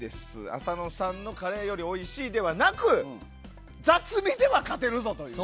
アサノさんのカレーよりおいしいではなく雑味では勝てるぞ！という。